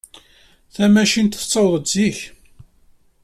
Tamacint tettaweḍ-d zik.